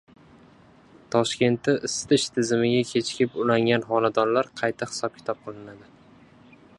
Toshkentda isitish tizimiga kechikib ulangan xonadonlar qayta hisob-kitob qilinadi